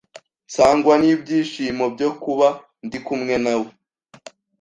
Nsagwa n’ibyishimo byo kuba ndi kumwe nawe